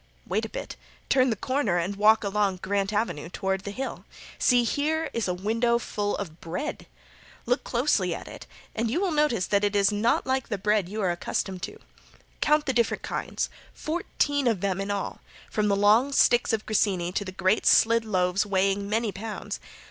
Wait a bit. Turn the corner and walk along Grant avenue toward the Hill. See, here is a window full of bread. Look closely at it and you will notice that it is not like the bread you are accustomed to. Count the different kinds. Fourteen of them in all, from the long sticks of grissini to the great slid loaves weighing many pounds.